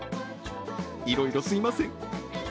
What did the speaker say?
いろいろすみません。